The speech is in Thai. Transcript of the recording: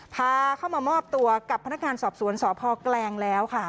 พาเข้ามามอบตัวกับพนักงานสอบสวนสพแกลงแล้วค่ะ